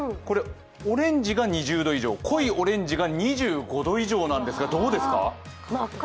オレンジが２０度以上、濃いオレンジが２５度以上なんですが、どうですか。